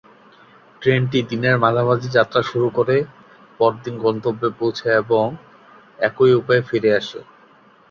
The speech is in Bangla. ট্রেনটি দিনের মাঝামাঝি যাত্রা শুরু করে পরদিন গন্তব্যে পৌছে এবং একই উপায়ে ফিরে আসে।